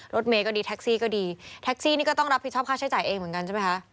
รถเมย์ก็ดีแท็กซี่ก็ดีแท็กซี่นี่ก็ต้องรับผิดชอบค่าใช้จ่ายเองเหมือนกันใช่ไหมคะ